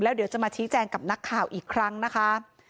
เดี๋ยวจะมาชี้แจงกับนักข่าวอีกครั้งนะคะ